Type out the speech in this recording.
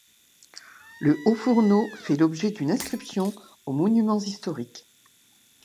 Le haut-fourneau fait l'objet d'une inscription aux monuments historiques.